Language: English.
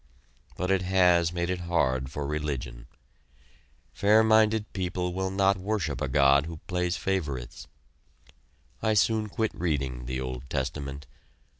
But it has made it hard for religion. Fair minded people will not worship a God who plays favorites. I soon quit reading the Old Testament.